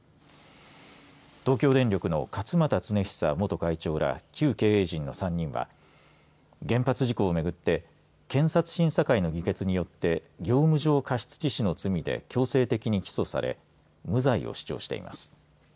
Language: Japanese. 東京電力の勝俣恒久元会長ら旧経営陣の３人は原発事故をめぐって検察審査会の議決によって業務上過失致死の疑いで強制的に起訴され無罪を主張しています。